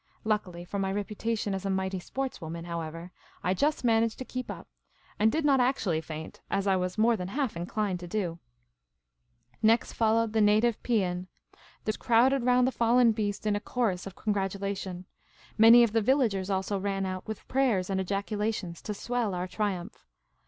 Luckily for my reputation as a mighty sports woman, however, I just managed to keep up, and did not actually faint, as I was more than half inclined to do. Next followed the native piean. The beaters crowded •7 25^ Miss Cayley's Adventures round the fallen beast in a chorus of congratulation. Many of the villagers also ran out, with prayers and ejaculations, to swell our triumph.